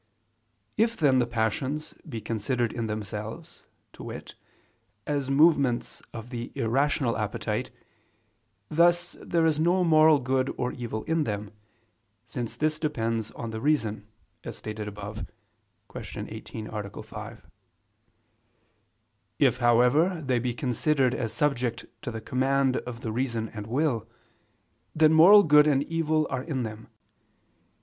If then the passions be considered in themselves, to wit, as movements of the irrational appetite, thus there is no moral good or evil in them, since this depends on the reason, as stated above (Q. 18, A. 5). If, however, they be considered as subject to the command of the reason and will, then moral good and evil are in them.